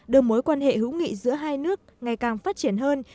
đưa mối quan hệ hữu nghị giữa hai nước ngày càng phát triển hơn